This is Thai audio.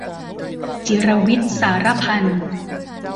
จิรวิทย์ สาระพันธ์